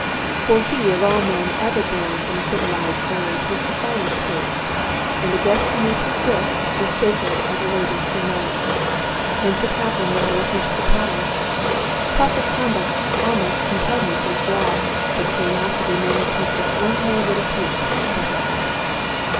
For he of all men ever born in a civilized age was the finest host, and a guest beneath his roof was sacred as a lady to a knight. Hence it happened that I was much surprised. Proper conduct almost compelled me to withdraw; but curiosity made me take just one more little peep, perhaps.